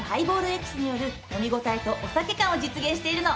エキスによる飲みごたえとお酒感を実現しているの。